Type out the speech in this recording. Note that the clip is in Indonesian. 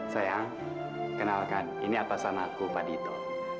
sayang kenalkan ini atas nama aku pak dito